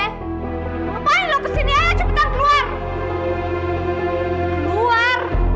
ngapain lo kesini aja cepetan keluar